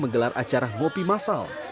menggelar acara mopi masal